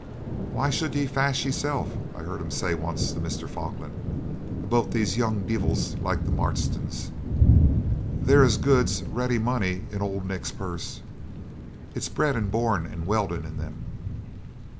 'Why should ye fash yoursel',' I heard him say once to Mr. Falkland, 'aboot these young deevils like the Marstons? They're as good's ready money in auld Nick's purse. It's bred and born and welded in them.